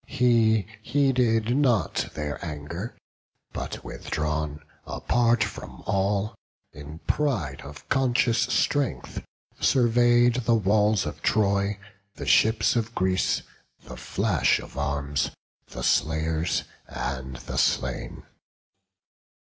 He heeded not their anger; but withdrawn Apart from all, in pride of conscious strength, Survey'd the walls of Troy, the ships of Greece, The flash of arms, the slayers and the slain.